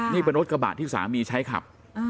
นี่เป็นนถขบาดที่สามีใช้ขับ